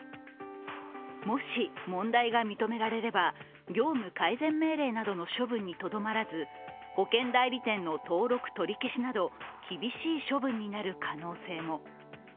もし、問題が認められれば業務改善命令などの処分にとどまらず保険代理店の登録取り消しなど厳しい処分になる可能性も。